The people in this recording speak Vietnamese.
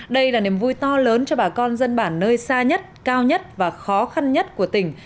đây là niềm vui to lớn cho bà con dân bản nơi xa nhất cao nhất và khó khăn nhất của tỉnh